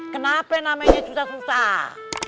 kenapa namanya susah susah